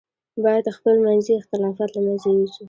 باید خپل منځي اختلافات له منځه یوسو.